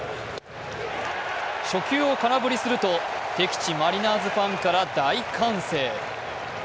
初球を空振りすると、敵地マリナーズファンから大歓声。